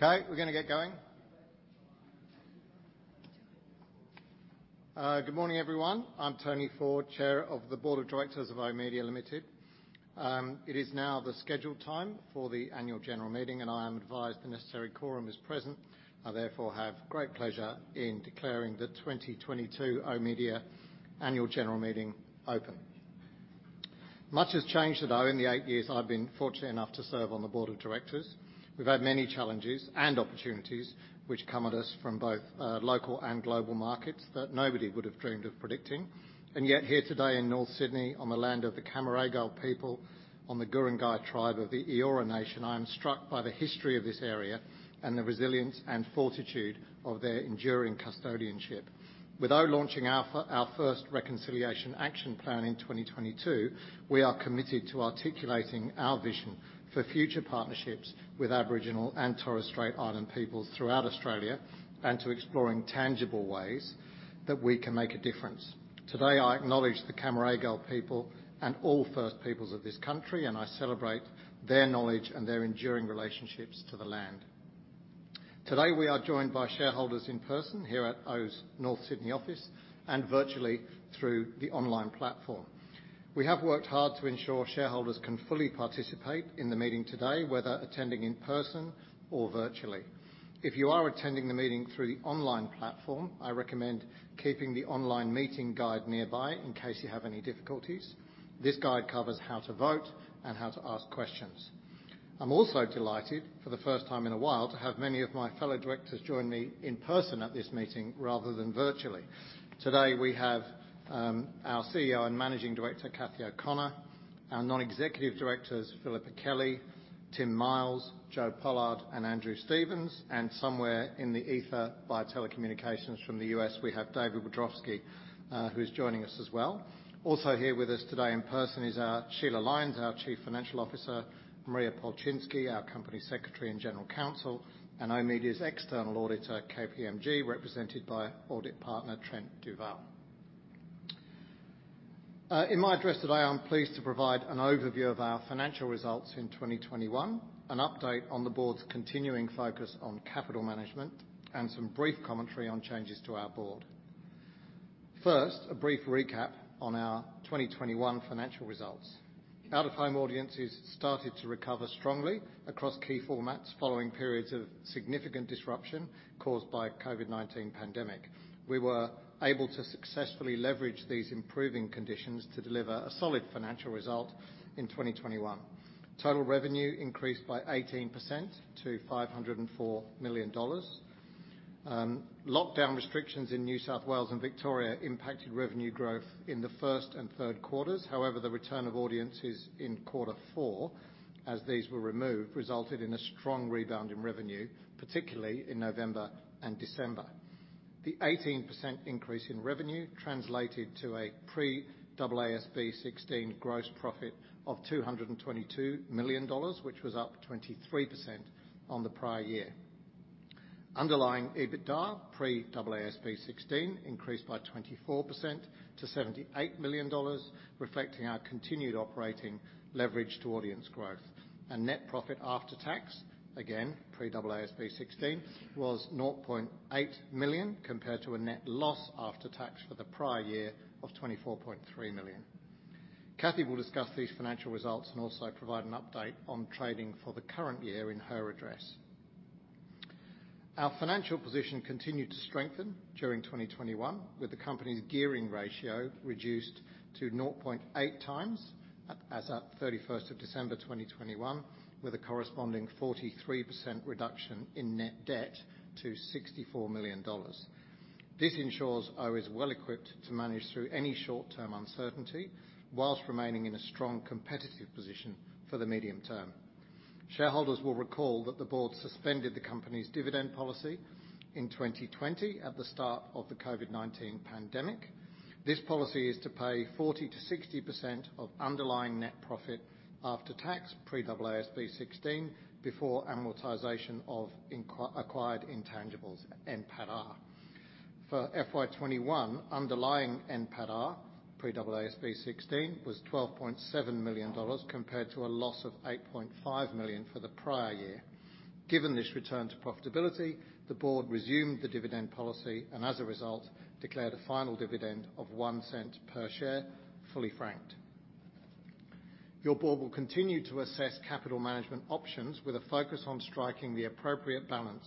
Okay, we're gonna get going. Good morning, everyone. I'm Tony Faure, Chair of the board of directors of oOh!media Limited. It is now the scheduled time for the annual general meeting, and I am advised the necessary quorum is present. I therefore have great pleasure in declaring the 2022 oOh!media Annual General Meeting open. Much has changed at oOh!media in the eight years I've been fortunate enough to serve on the board of directors. We've had many challenges and opportunities which come at us from both, local and global markets that nobody would have dreamed of predicting. Yet here today in North Sydney on the land of the Cammeraygal people on the Guringai tribe of the Eora Nation, I am struck by the history of this area and the resilience and fortitude of their enduring custodianship. With oOh!media launching our first Reconciliation Action Plan in 2022, we are committed to articulating our vision for future partnerships with Aboriginal and Torres Strait Islander peoples throughout Australia, and to exploring tangible ways that we can make a difference. Today, I acknowledge the Cammeraygal people and all first peoples of this country, and I celebrate their knowledge and their enduring relationships to the land. Today, we are joined by shareholders in person here at oOh!media's North Sydney office and virtually through the online platform. We have worked hard to ensure shareholders can fully participate in the meeting today, whether attending in person or virtually. If you are attending the meeting through the online platform, I recommend keeping the online meeting guide nearby in case you have any difficulties. This guide covers how to vote and how to ask questions. I'm also delighted, for the first time in a while, to have many of my fellow directors join me in person at this meeting rather than virtually. Today, we have our CEO and Managing Director, Cathy O'Connor, our non-executive directors, Philippa Kelly, Tim Miles, Joe Pollard, and Andrew Stevens, and somewhere in the ether via telecommunications from the US, we have David Wiadrowski, who is joining us as well. Also here with us today in person is our Sheila Lines, our Chief Financial Officer, Maria Polczynski, our Company Secretary and General Counsel, and oOh!media's external auditor, KPMG, represented by Audit Partner Trent Duvall. In my address today, I am pleased to provide an overview of our financial results in 2021, an update on the board's continuing focus on capital management, and some brief commentary on changes to our board. First, a brief recap on our 2021 financial results. Out-of-home audiences started to recover strongly across key formats following periods of significant disruption caused by COVID-19 pandemic. We were able to successfully leverage these improving conditions to deliver a solid financial result in 2021. Total revenue increased by 18% to 504 million dollars. Lockdown restrictions in New South Wales and Victoria impacted revenue growth in the first and third quarters. However, the return of audiences in quarter four, as these were removed, resulted in a strong rebound in revenue, particularly in November and December. The 18% increase in revenue translated to a pre-AASB 16 gross profit of 222 million dollars, which was up 23% on the prior year. Underlying EBITDA pre-AASB 16 increased by 24% to 78 million dollars, reflecting our continued operating leverage to audience growth. Net profit after tax, again, pre-AASB 16, was 0.8 million compared to a net loss after tax for the prior year of 24.3 million. Cathy will discuss these financial results and also provide an update on trading for the current year in her address. Our financial position continued to strengthen during 2021, with the company's gearing ratio reduced to 0.8 times as at December 31, 2021, with a corresponding 43% reduction in net debt to 64 million dollars. This ensures Ooh is well-equipped to manage through any short-term uncertainty while remaining in a strong competitive position for the medium term. Shareholders will recall that the board suspended the company's dividend policy in 2020 at the start of the COVID-19 pandemic. This policy is to pay 40%-60% of underlying net profit after tax pre-AASB 16 before amortization of acquired intangibles, NPATAR. For FY 2021, underlying NPATAR pre-AASB 16 was AUD 12.7 million compared to a loss of AUD 8.5 million for the prior year. Given this return to profitability, the board resumed the dividend policy and as a result, declared a final dividend of 0.01 per share, fully franked. Your board will continue to assess capital management options with a focus on striking the appropriate balance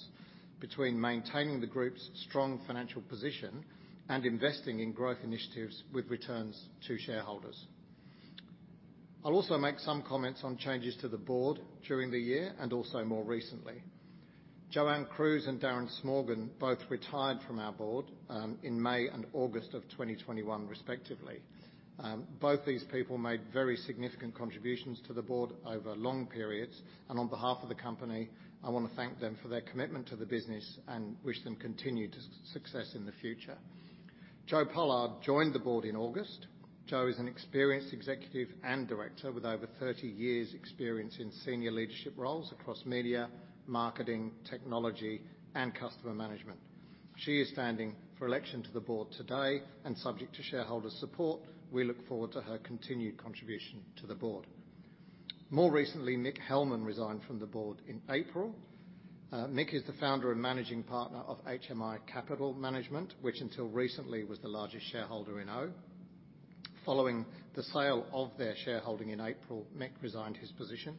between maintaining the group's strong financial position and investing in growth initiatives with returns to shareholders. I'll also make some comments on changes to the board during the year and also more recently. Joanne Crewes and Darren Smorgon both retired from our board in May and August of 2021, respectively. Both these people made very significant contributions to the board over long periods, and on behalf of the company, I wanna thank them for their commitment to the business and wish them continued success in the future. Joe Pollard joined the board in August. Joe is an experienced executive and director with over 30 years' experience in senior leadership roles across media, marketing, technology, and customer management. She is standing for election to the board today, and subject to shareholder support, we look forward to her continued contribution to the board. More recently, Mick Hellman resigned from the board in April. Mick is the founder and managing partner of HMI Capital Management, which until recently was the largest shareholder in oOh!media. Following the sale of their shareholding in April, Mick resigned his position.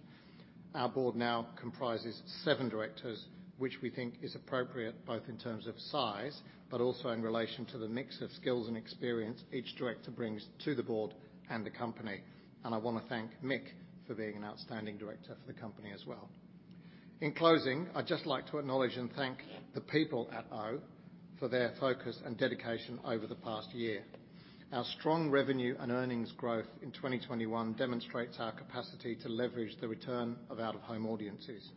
Our board now comprises seven directors, which we think is appropriate both in terms of size, but also in relation to the mix of skills and experience each director brings to the board and the company. I wanna thank Mick for being an outstanding director for the company as well. In closing, I'd just like to acknowledge and thank the people at oOh!media for their focus and dedication over the past year. Our strong revenue and earnings growth in 2021 demonstrates our capacity to leverage the return of out-of-home audiences.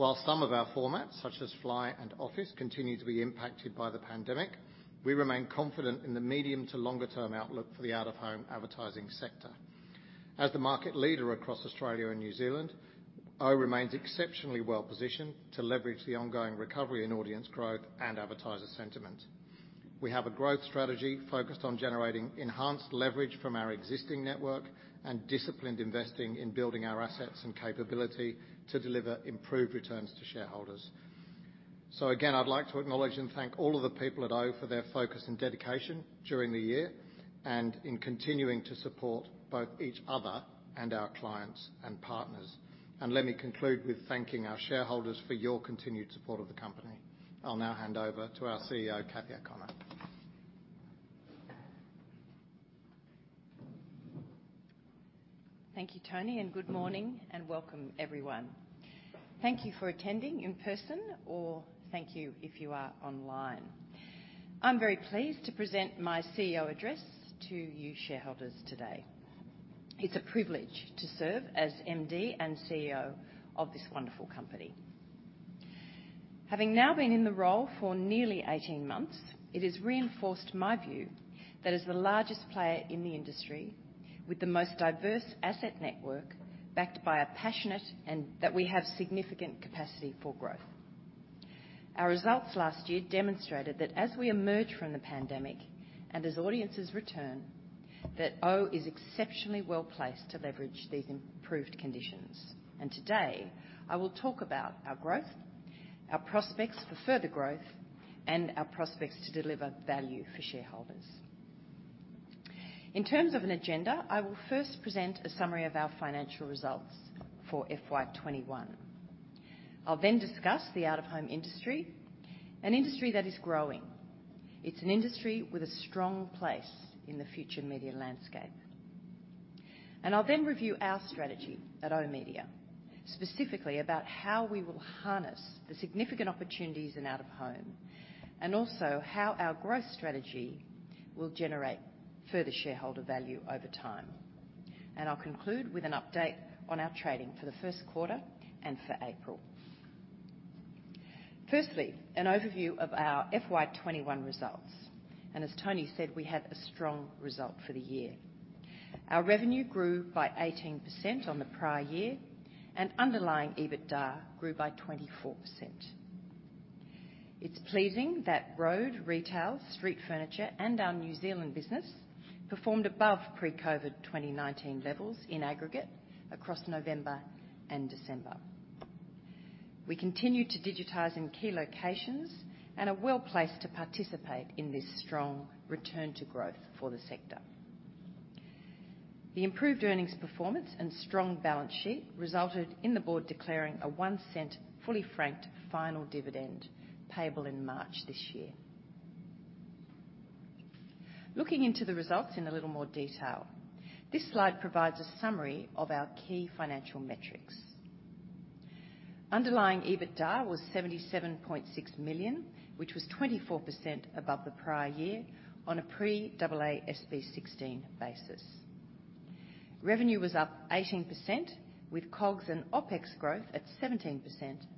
While some of our formats, such as Fly and Office, continue to be impacted by the pandemic, we remain confident in the medium to longer term outlook for the out-of-home advertising sector. As the market leader across Australia and New Zealand, OOH remains exceptionally well-positioned to leverage the ongoing recovery in audience growth and advertiser sentiment. We have a growth strategy focused on generating enhanced leverage from our existing network and disciplined investing in building our assets and capability to deliver improved returns to shareholders. Again, I'd like to acknowledge and thank all of the people at OOH for their focus and dedication during the year, and in continuing to support both each other and our clients and partners. Let me conclude with thanking our shareholders for your continued support of the company. I'll now hand over to our CEO, Cathy O'Connor. Thank you, Tony, and good morning and welcome everyone. Thank you for attending in person or thank you if you are online. I'm very pleased to present my CEO address to you shareholders today. It's a privilege to serve as MD and CEO of this wonderful company. Having now been in the role for nearly 18 months, it has reinforced my view that as the largest player in the industry with the most diverse asset network backed by a passionate and that we have significant capacity for growth. Our results last year demonstrated that as we emerge from the pandemic and as audiences return, that OOH is exceptionally well-placed to leverage these improved conditions. Today, I will talk about our growth, our prospects for further growth, and our prospects to deliver value for shareholders. In terms of an agenda, I will first present a summary of our financial results for FY21. I'll then discuss the out-of-home industry, an industry that is growing. It's an industry with a strong place in the future media landscape. I'll then review our strategy at oOh!media, specifically about how we will harness the significant opportunities in out of home and also how our growth strategy will generate further shareholder value over time. I'll conclude with an update on our trading for the first quarter and for April. Firstly, an overview of our FY21 results. As Tony said, we had a strong result for the year. Our revenue grew by 18% on the prior year and underlying EBITDA grew by 24%. It's pleasing that road, retail, street furniture, and our New Zealand business performed above pre-COVID 2019 levels in aggregate across November and December. We continue to digitize in key locations and are well-placed to participate in this strong return to growth for the sector. The improved earnings performance and strong balance sheet resulted in the board declaring a 0.01 fully franked final dividend payable in March this year. Looking into the results in a little more detail, this slide provides a summary of our key financial metrics. Underlying EBITDA was 77.6 million, which was 24% above the prior year on a pre-AASB 16 basis. Revenue was up 18% with COGS and OpEx growth at 17%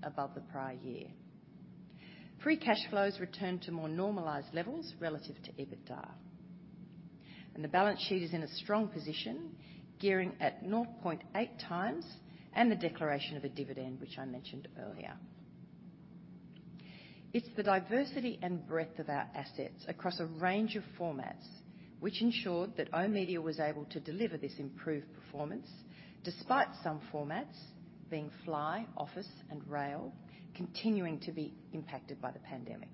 above the prior year. Free cash flows returned to more normalized levels relative to EBITDA. The balance sheet is in a strong position, gearing at 0.8 times and the declaration of a dividend which I mentioned earlier. It's the diversity and breadth of our assets across a range of formats which ensured that oOh!media was able to deliver this improved performance despite some formats being Fly, Office, and Rail continuing to be impacted by the pandemic.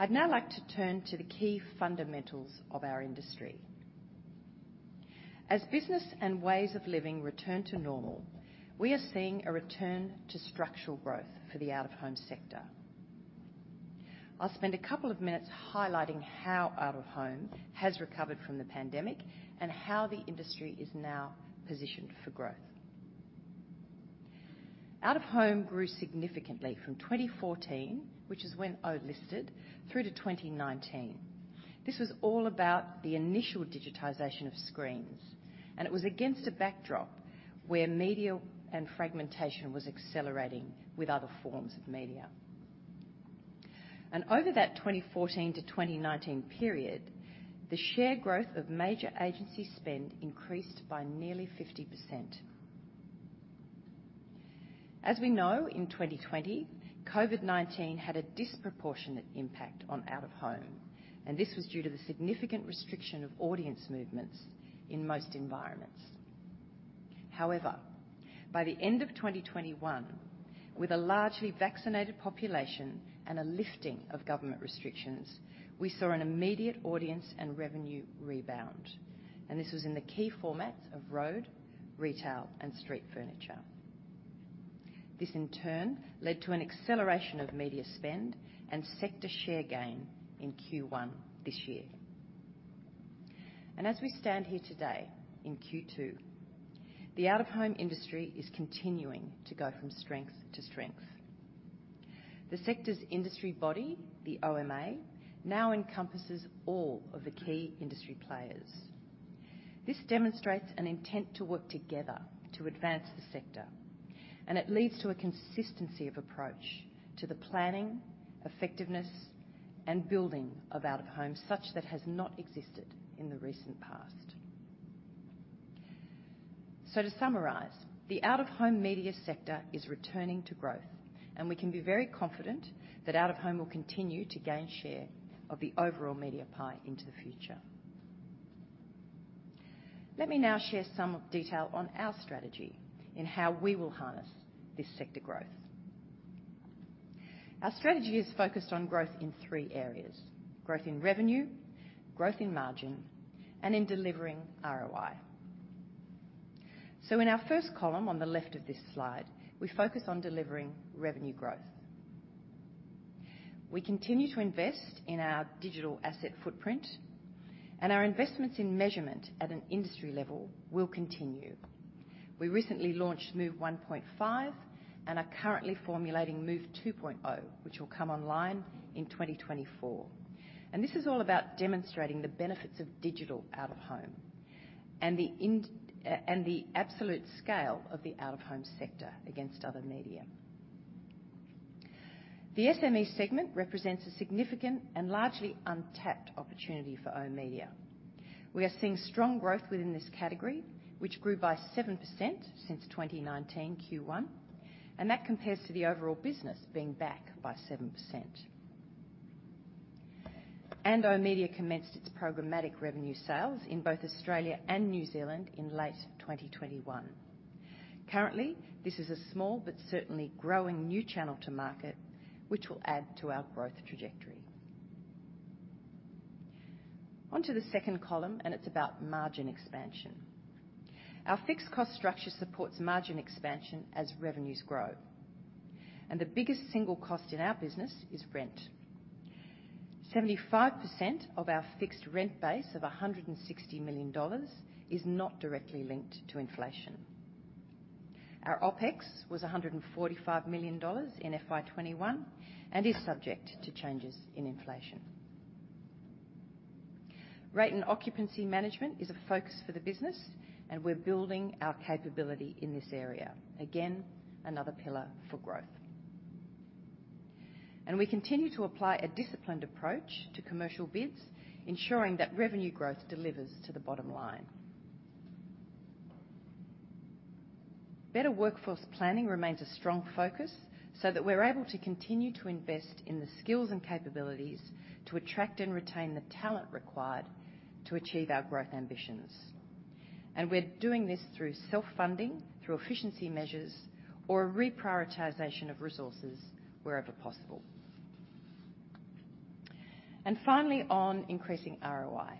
I'd now like to turn to the key fundamentals of our industry. As business and ways of living return to normal, we are seeing a return to structural growth for the out-of-home sector. I'll spend a couple of minutes highlighting how out-of-home has recovered from the pandemic and how the industry is now positioned for growth. Out-of-home grew significantly from 2014, which is when OOH listed, through to 2019. This was all about the initial digitization of screens, and it was against a backdrop where media and fragmentation was accelerating with other forms of media. Over that 2014 to 2019 period, the share growth of major agency spend increased by nearly 50%. As we know, in 2020, COVID-19 had a disproportionate impact on out-of-home, and this was due to the significant restriction of audience movements in most environments. However, by the end of 2021, with a largely vaccinated population and a lifting of government restrictions, we saw an immediate audience and revenue rebound, and this was in the key formats of road, retail, and street furniture. This in turn led to an acceleration of media spend and sector share gain in Q1 this year. As we stand here today in Q2, the out-of-home industry is continuing to go from strength to strength. The sector's industry body, the OMA, now encompasses all of the key industry players. This demonstrates an intent to work together to advance the sector, and it leads to a consistency of approach to the planning, effectiveness, and building of out-of-home, such that has not existed in the recent past. To summarize, the out-of-home media sector is returning to growth, and we can be very confident that out-of-home will continue to gain share of the overall media pie into the future. Let me now share some detail on our strategy in how we will harness this sector growth. Our strategy is focused on growth in three areas. Growth in revenue, growth in margin, and in delivering ROI. In our first column on the left of this slide, we focus on delivering revenue growth. We continue to invest in our digital asset footprint, and our investments in measurement at an industry level will continue. We recently launched MOVE 1.5 and are currently formulating MOVE 2.0, which will come online in 2024. This is all about demonstrating the benefits of digital out-of-home and the absolute scale of the out-of-home sector against other media. The SME segment represents a significant and largely untapped opportunity for oOh!media. We are seeing strong growth within this category, which grew by 7% since 2019 Q1, and that compares to the overall business being back by 7%. oOh!media commenced its programmatic revenue sales in both Australia and New Zealand in late 2021. Currently, this is a small but certainly growing new channel to market which will add to our growth trajectory. On to the second column, and it's about margin expansion. Our fixed cost structure supports margin expansion as revenues grow, and the biggest single cost in our business is rent. 75% of our fixed rent base of 160 million dollars is not directly linked to inflation. Our OpEx was 145 million dollars in FY 2021 and is subject to changes in inflation. Rate and occupancy management is a focus for the business, and we're building our capability in this area. Again, another pillar for growth. We continue to apply a disciplined approach to commercial bids, ensuring that revenue growth delivers to the bottom line. Better workforce planning remains a strong focus so that we're able to continue to invest in the skills and capabilities to attract and retain the talent required to achieve our growth ambitions. We're doing this through self-funding, through efficiency measures or reprioritization of resources wherever possible. Finally, on increasing ROI.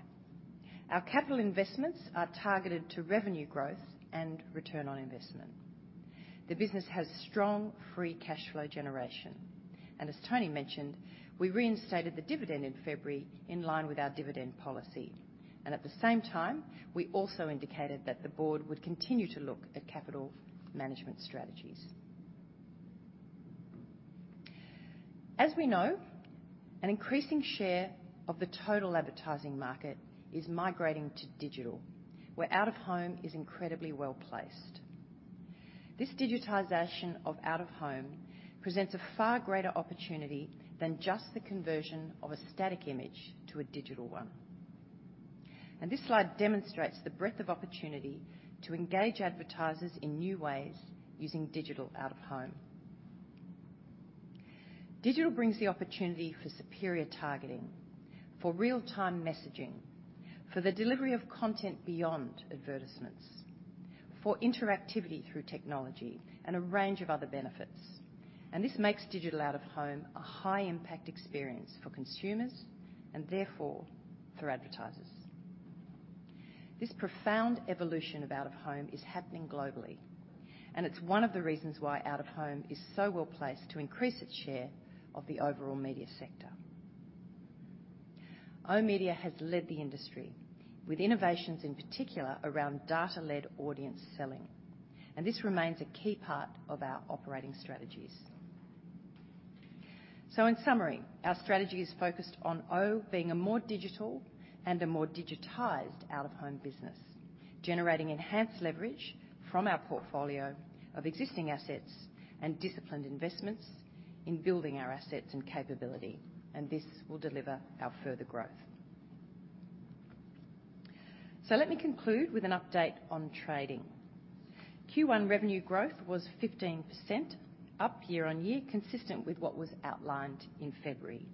Our capital investments are targeted to revenue growth and return on investment. The business has strong free cash flow generation. As Tony mentioned, we reinstated the dividend in February in line with our dividend policy. At the same time, we also indicated that the board would continue to look at capital management strategies. As we know, an increasing share of the total advertising market is migrating to digital, where out-of-home is incredibly well-placed. This digitization of out-of-home presents a far greater opportunity than just the conversion of a static image to a digital one. This slide demonstrates the breadth of opportunity to engage advertisers in new ways using digital out-of-home. Digital brings the opportunity for superior targeting, for real-time messaging, for the delivery of content beyond advertisements, for interactivity through technology and a range of other benefits. This makes digital out-of-home a high impact experience for consumers and therefore for advertisers. This profound evolution of out-of-home is happening globally, and it's one of the reasons why out-of-home is so well-placed to increase its share of the overall media sector. oOh!media has led the industry with innovations, in particular around data-led audience selling, and this remains a key part of our operating strategies. In summary, our strategy is focused on oOh!media being a more digital and a more digitized out-of-home business. Generating enhanced leverage from our portfolio of existing assets and disciplined investments in building our assets and capability. This will deliver our further growth. Let me conclude with an update on trading. Q1 revenue growth was 15% up year-on-year, consistent with what was outlined in February.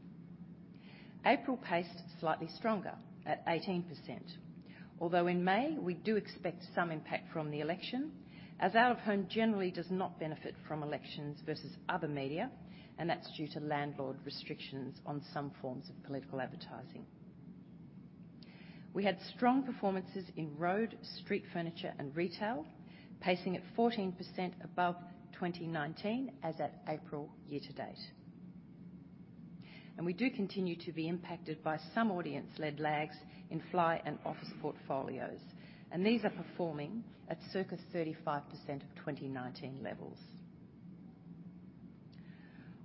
April paced slightly stronger at 18%. Although in May, we do expect some impact from the election as out of home generally does not benefit from elections versus other media, and that's due to landlord restrictions on some forms of political advertising. We had strong performances in road, street furniture and retail, pacing at 14% above 2019 as at April year to date. We do continue to be impacted by some audience-led lags in Fly and Office portfolios. These are performing at circa 35% of 2019 levels.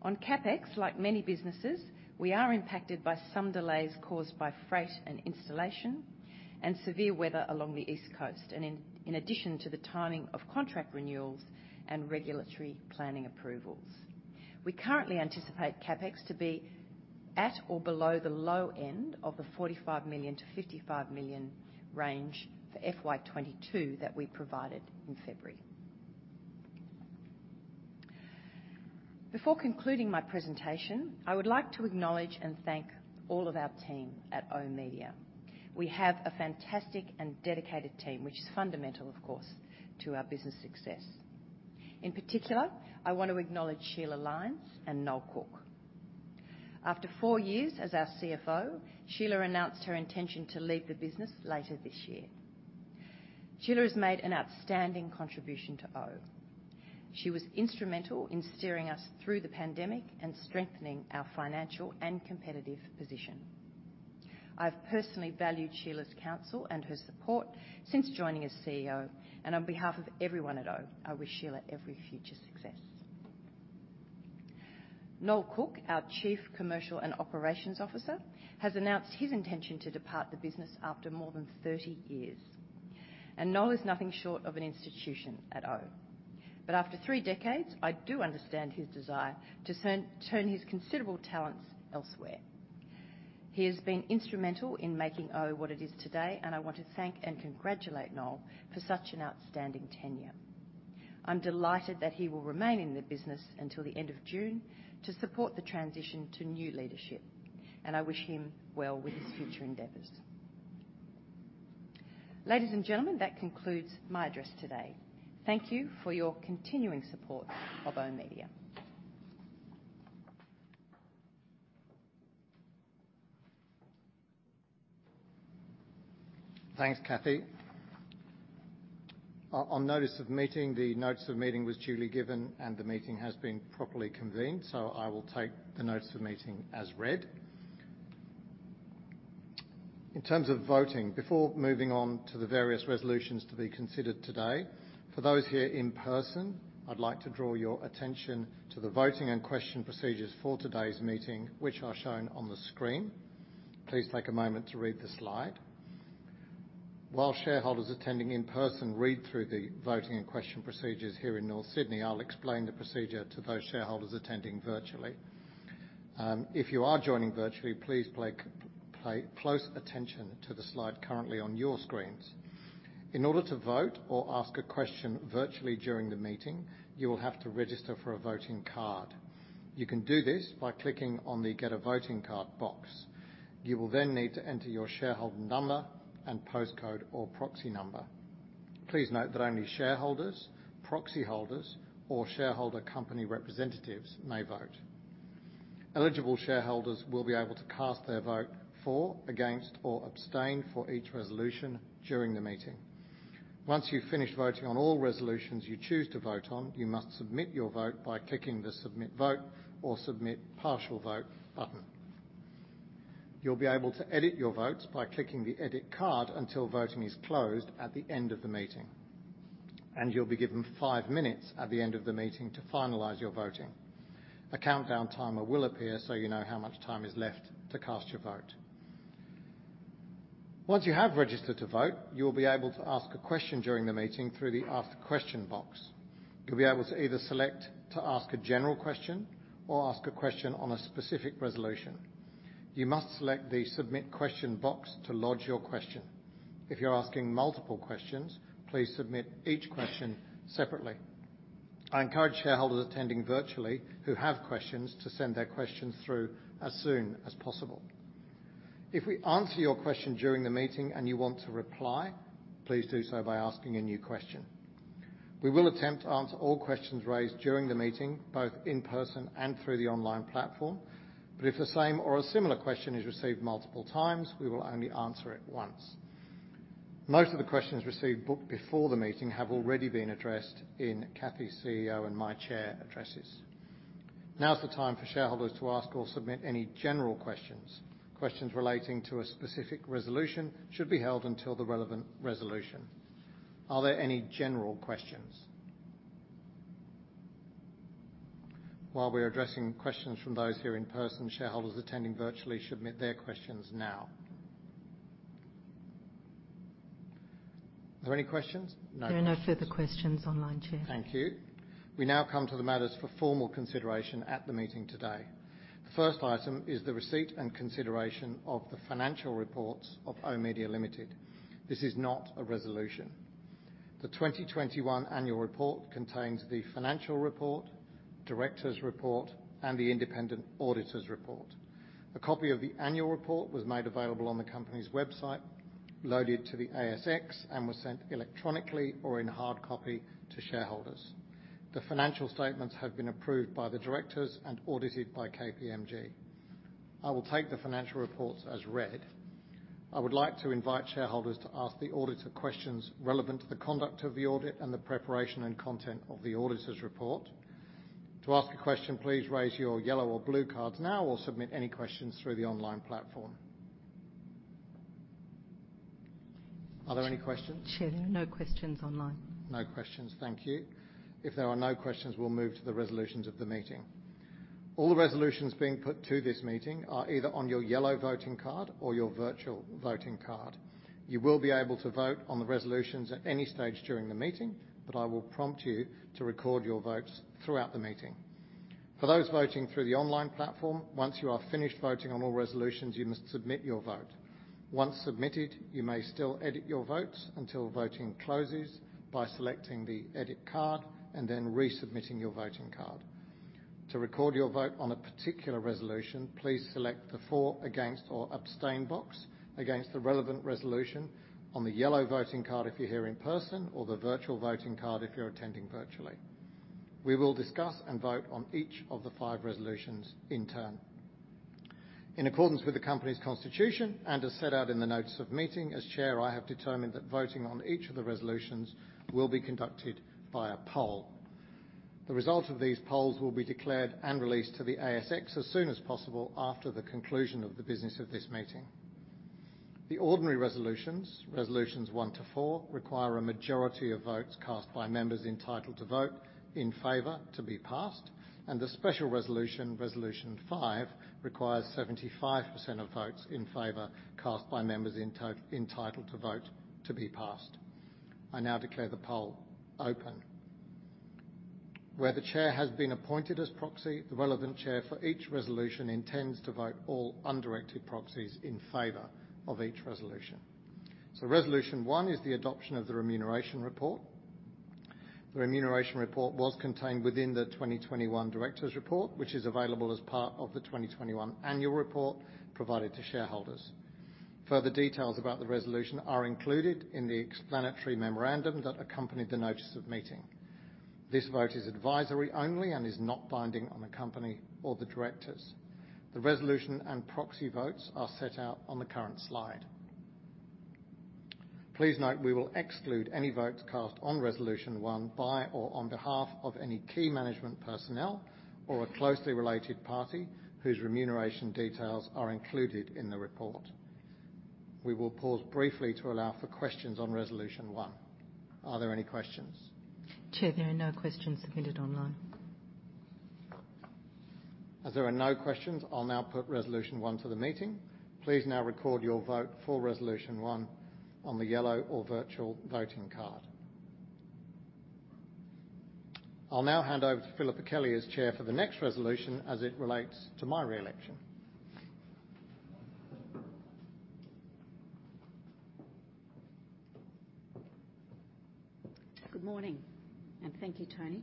On CapEx, like many businesses, we are impacted by some delays caused by freight and installation and severe weather along the East Coast, and in addition to the timing of contract renewals and regulatory planning approvals. We currently anticipate CapEx to be at or below the low end of the 45 million-55 million range for FY 2022 that we provided in February. Before concluding my presentation, I would like to acknowledge and thank all of our team at oOh!media. We have a fantastic and dedicated team which is fundamental, of course, to our business success. In particular, I want to acknowledge Sheila Lines and Noel Cook. After four years as our CFO, Sheila announced her intention to leave the business later this year. Sheila has made an outstanding contribution to oOh!media. She was instrumental in steering us through the pandemic and strengthening our financial and competitive position. I've personally valued Sheila's counsel and her support since joining as CEO. On behalf of everyone at oOh!media, I wish Sheila every future success. Noel Cook, our Chief Commercial and Operations Officer, has announced his intention to depart the business after more than 30 years. Noel is nothing short of an institution at oOh!. After three decades, I do understand his desire to turn his considerable talents elsewhere. He has been instrumental in making oOh! what it is today, and I want to thank and congratulate Noel for such an outstanding tenure. I'm delighted that he will remain in the business until the end of June to support the transition to new leadership. I wish him well with his future endeavors. Ladies and gentlemen, that concludes my address today. Thank you for your continuing support of oOh!media. Thanks, Cathy. On notice of meeting, the notice of meeting was duly given, and the meeting has been properly convened, so I will take the notice of meeting as read. In terms of voting, before moving on to the various resolutions to be considered today, for those here in person, I'd like to draw your attention to the voting and question procedures for today's meeting which are shown on the screen. Please take a moment to read the slide. While shareholders attending in person read through the voting and question procedures here in North Sydney, I'll explain the procedure to those shareholders attending virtually. If you are joining virtually, please pay close attention to the slide currently on your screens. In order to vote or ask a question virtually during the meeting, you will have to register for a voting card. You can do this by clicking on the Get A Voting Card box. You will then need to enter your shareholder number and postcode or proxy number. Please note that only shareholders, proxy holders or shareholder company representatives may vote. Eligible shareholders will be able to cast their vote for, against, or abstain for each resolution during the meeting. Once you've finished voting on all resolutions you choose to vote on, you must submit your vote by clicking the Submit Vote or Submit Partial Vote button. You'll be able to edit your votes by clicking the Edit Card until voting is closed at the end of the meeting. You'll be given five minutes at the end of the meeting to finalize your voting. A countdown timer will appear so you know how much time is left to cast your vote. Once you have registered to vote, you will be able to ask a question during the meeting through the Ask Question box. You'll be able to either select to ask a general question or ask a question on a specific resolution. You must select the Submit Question box to lodge your question. If you're asking multiple questions, please submit each question separately. I encourage shareholders attending virtually who have questions to send their questions through as soon as possible. If we answer your question during the meeting and you want to reply, please do so by asking a new question. We will attempt to answer all questions raised during the meeting, both in person and through the online platform. If the same or a similar question is received multiple times, we will only answer it once. Most of the questions received booked before the meeting have already been addressed in Cathy's CEO and my Chair addresses. Now is the time for shareholders to ask or submit any general questions. Questions relating to a specific resolution should be held until the relevant resolution. Are there any general questions? While we're addressing questions from those here in person, shareholders attending virtually should submit their questions now. Are there any questions? No questions. There are no further questions online, Chair. Thank you. We now come to the matters for formal consideration at the meeting today. The first item is the receipt and consideration of the financial reports of oOh!media Limited. This is not a resolution. The 2021 annual report contains the financial report, directors' report, and the independent auditor's report. A copy of the annual report was made available on the company's website, loaded to the ASX, and was sent electronically or in hard copy to shareholders. The financial statements have been approved by the directors and audited by KPMG. I will take the financial reports as read. I would like to invite shareholders to ask the auditor questions relevant to the conduct of the audit and the preparation and content of the auditor's report. To ask a question, please raise your yellow or blue cards now or submit any questions through the online platform. Are there any questions? Chair, there are no questions online. No questions. Thank you. If there are no questions, we'll move to the resolutions of the meeting. All the resolutions being put to this meeting are either on your yellow voting card or your virtual voting card. You will be able to vote on the resolutions at any stage during the meeting, but I will prompt you to record your votes throughout the meeting. For those voting through the online platform, once you are finished voting on all resolutions, you must submit your vote. Once submitted, you may still edit your vote until voting closes by selecting the Edit card and then resubmitting your voting card. To record your vote on a particular resolution, please select the For, Against, or Abstain box against the relevant resolution on the yellow voting card if you're here in person or the virtual voting card if you're attending virtually. We will discuss and vote on each of the 5 resolutions in turn. In accordance with the company's constitution and as set out in the notice of meeting, as Chair, I have determined that voting on each of the resolutions will be conducted by a poll. The result of these polls will be declared and released to the ASX as soon as possible after the conclusion of the business of this meeting. The ordinary resolutions one to four, require a majority of votes cast by members entitled to vote in favor to be passed, and the special resolution five, requires 75% of votes in favor cast by members entitled to vote to be passed. I now declare the poll open. Where the Chair has been appointed as proxy, the relevant Chair for each resolution intends to vote all undirected proxies in favor of each resolution. Resolution one is the adoption of the remuneration report. The remuneration report was contained within the 2021 directors report, which is available as part of the 2021 annual report provided to shareholders. Further details about the resolution are included in the explanatory memorandum that accompanied the notice of meeting. This vote is advisory only and is not binding on the company or the directors. The resolution and proxy votes are set out on the current slide. Please note we will exclude any votes cast on resolution one by or on behalf of any key management personnel or a closely related party whose remuneration details are included in the report. We will pause briefly to allow for questions on resolution one. Are there any questions? Chair, there are no questions submitted online. As there are no questions, I'll now put resolution one to the meeting. Please now record your vote for resolution one on the yellow or virtual voting card. I'll now hand over to Philippa Kelly as Chair for the next resolution as it relates to my re-election. Good morning, and thank you, Tony.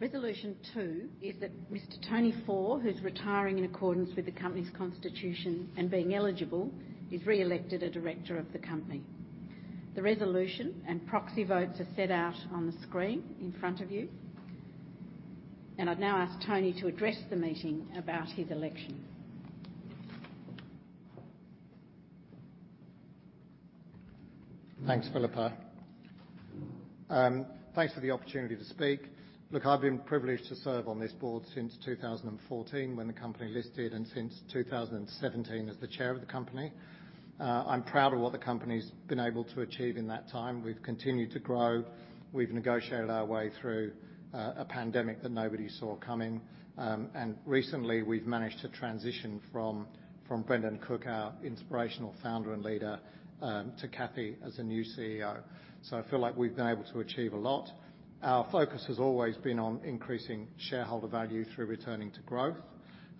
Resolution two is that Mr. Tony Faure, who's retiring in accordance with the company's constitution and being eligible, is re-elected a director of the company. The resolution and proxy votes are set out on the screen in front of you. I'd now ask Tony to address the meeting about his election. Thanks, Philippa. Thanks for the opportunity to speak. Look, I've been privileged to serve on this board since 2014 when the company listed, and since 2017 as the chair of the company. I'm proud of what the company's been able to achieve in that time. We've continued to grow. We've negotiated our way through a pandemic that nobody saw coming. Recently, we've managed to transition from Brendon Cook, our inspirational founder and leader, to Cathy as the new CEO. I feel like we've been able to achieve a lot. Our focus has always been on increasing shareholder value through returning to growth.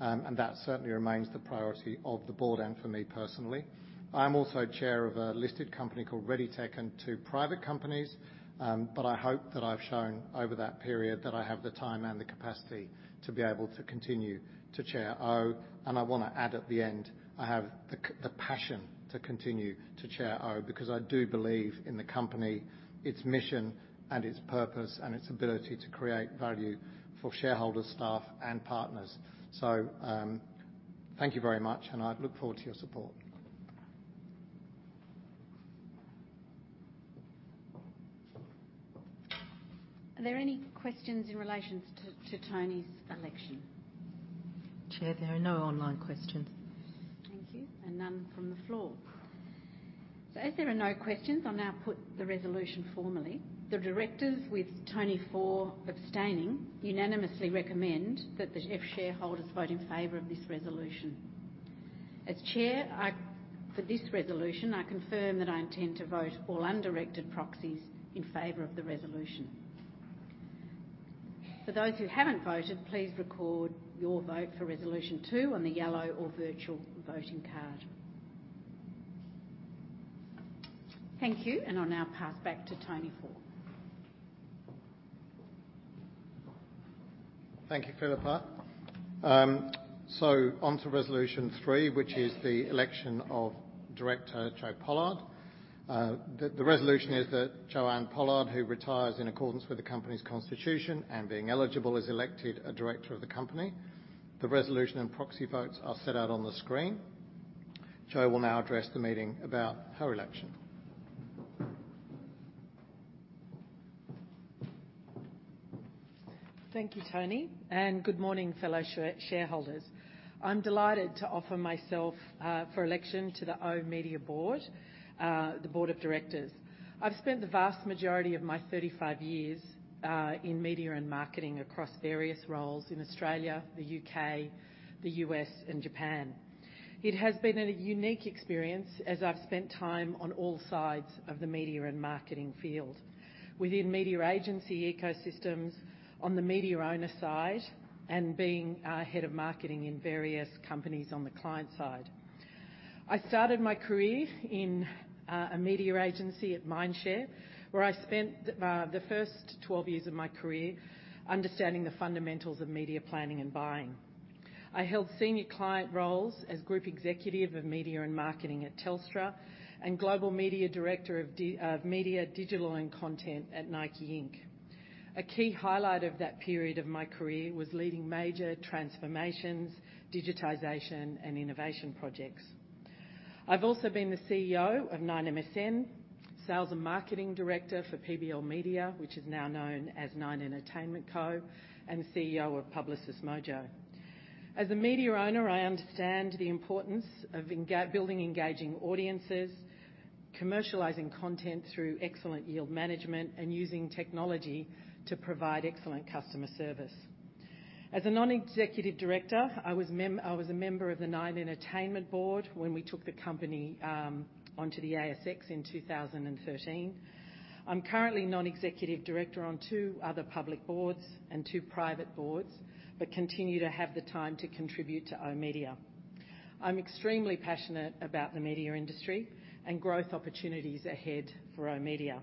That certainly remains the priority of the board and for me personally. I am also chair of a listed company called ReadyTech and two private companies. I hope that I've shown over that period that I have the time and the capacity to be able to continue to chair oOh!media. I wanna add at the end, I have the passion to continue to chair oOh!media because I do believe in the company, its mission and its purpose, and its ability to create value for shareholders, staff, and partners. Thank you very much, and I look forward to your support. Are there any questions in relation to Tony Faure's election? Chair, there are no online questions. Thank you. None from the floor. As there are no questions, I'll now put the resolution formally. The directors with Tony Faure abstaining unanimously recommend that the shareholders vote in favor of this resolution. As chair, I... For this resolution, I confirm that I intend to vote all undirected proxies in favor of the resolution. For those who haven't voted, please record your vote for resolution two on the yellow or virtual voting card. Thank you, and I'll now pass back to Tony Faure. Thank you, Philippa. On to resolution three, which is the election of Director Jo Pollard. The resolution is that Joanne Pollard, who retires in accordance with the company's constitution and being eligible, is elected a director of the company. The resolution and proxy votes are set out on the screen. Jo will now address the meeting about her election. Thank you, Tony, and good morning fellow shareholders. I'm delighted to offer myself for election to the oOh!media board, the board of directors. I've spent the vast majority of my 35 years in media and marketing across various roles in Australia, the U.K., the U.S., and Japan. It has been a unique experience as I've spent time on all sides of the media and marketing field. Within media agency ecosystems, on the media owner side, and being head of marketing in various companies on the client side. I started my career in a media agency at Mindshare, where I spent the first 12 years of my career understanding the fundamentals of media planning and buying. I held senior client roles as Group Executive of Media and Marketing at Telstra and Global Media Director of Media, Digital and Content at Nike, Inc. A key highlight of that period of my career was leading major transformations, digitization, and innovation projects. I've also been the CEO of ninemsn, Sales and Marketing Director for PBL Media, which is now known as Nine Entertainment Co, and CEO of Publicis Mojo. As a media owner, I understand the importance of building engaging audiences, commercializing content through excellent yield management, and using technology to provide excellent customer service. As a non-executive director, I was a member of the Nine Entertainment board when we took the company onto the ASX in 2013. I'm currently non-executive director on two other public boards and two private boards, but continue to have the time to contribute to oOh!media. I'm extremely passionate about the media industry and growth opportunities ahead for oOh!media.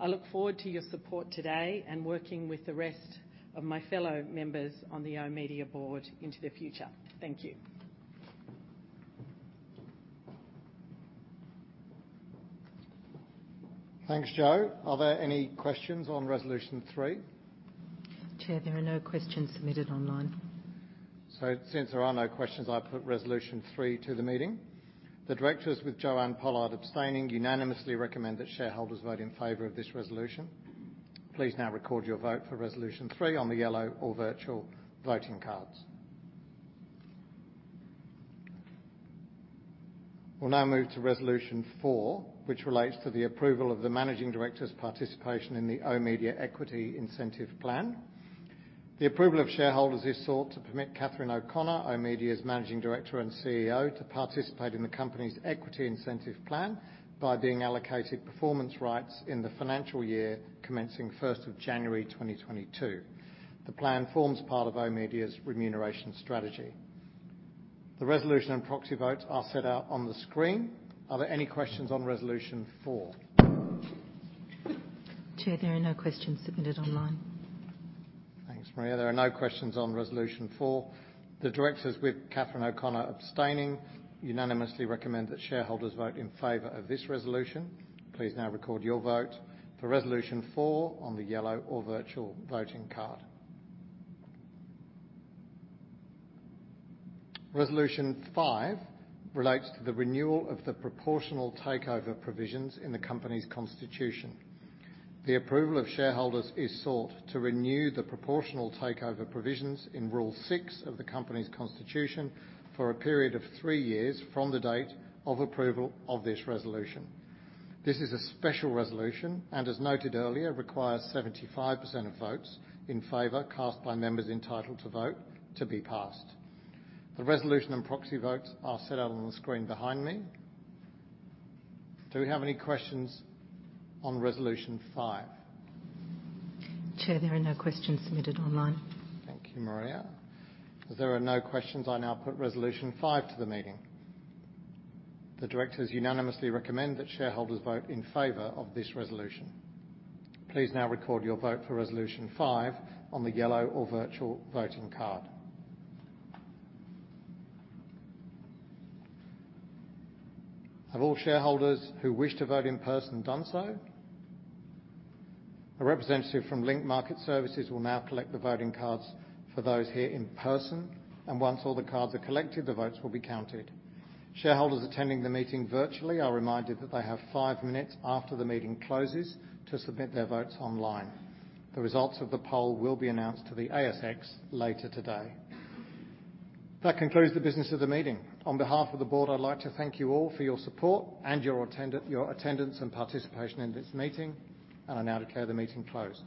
I look forward to your support today and working with the rest of my fellow members on the oOh!media board into the future. Thank you. Thanks, Jo. Are there any questions on resolution three? Chair, there are no questions submitted online. Since there are no questions, I put resolution 3 to the meeting. The directors with Joanne Pollard abstaining unanimously recommend that shareholders vote in favor of this resolution. Please now record your vote for resolution 3 on the yellow or virtual voting cards. We'll now move to resolution 4, which relates to the approval of the managing director's participation in the oOh!media Equity Incentive Plan. The approval of shareholders is sought to permit Cathy O'Connor, oOh!media's Managing Director and CEO, to participate in the company's equity incentive plan by being allocated performance rights in the financial year commencing first of January 2022. The plan forms part of oOh!media's remuneration strategy. The resolution and proxy votes are set out on the screen. Are there any questions on resolution 4? Chair, there are no questions submitted online. Thanks, Maria. There are no questions on resolution four. The directors with Cathy O'Connor abstaining unanimously recommend that shareholders vote in favor of this resolution. Please now record your vote for resolution four on the yellow or virtual voting card. Resolution five relates to the renewal of the proportional takeover provisions in the company's constitution. The approval of shareholders is sought to renew the proportional takeover provisions in Rule six of the company's constitution for a period of three years from the date of approval of this resolution. This is a special resolution, and as noted earlier, requires 75% of votes in favor cast by members entitled to vote to be passed. The resolution and proxy votes are set out on the screen behind me. Do we have any questions on resolution five? Chair, there are no questions submitted online. Thank you, Maria. As there are no questions, I now put resolution 5 to the meeting. The directors unanimously recommend that shareholders vote in favor of this resolution. Please now record your vote for resolution 5 on the yellow or virtual voting card. Have all shareholders who wish to vote in person done so? A representative from Link Market Services will now collect the voting cards for those here in person, and once all the cards are collected, the votes will be counted. Shareholders attending the meeting virtually are reminded that they have 5 minutes after the meeting closes to submit their votes online. The results of the poll will be announced to the ASX later today. That concludes the business of the meeting. On behalf of the board, I'd like to thank you all for your support and your attendance and participation in this meeting, and I now declare the meeting closed.